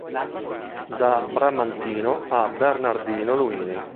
Da Bramantino a Bernardino Luini.